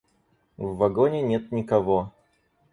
В вагоне нет никого.